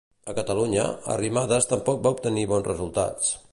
A Catalunya, Arrimadas tampoc va obtenir bons resultats.